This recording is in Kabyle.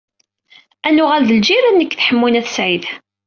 Ad nuɣal d lǧiran nekk d Ḥemmu n At Sɛid.